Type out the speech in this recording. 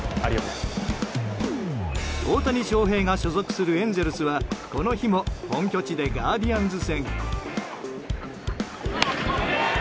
大谷翔平が所属するエンゼルスはこの日も本拠地でガーディアンズ戦。